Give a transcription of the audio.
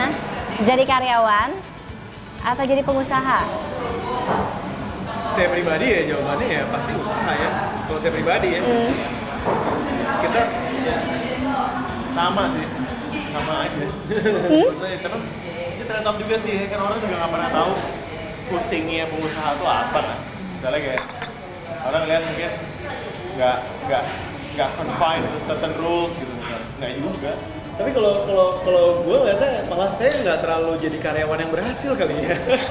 tapi kalau gue malah saya nggak terlalu jadi karyawan yang berhasil kali ya